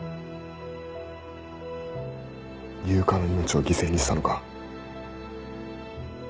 悠香の命を犠牲にしたのか。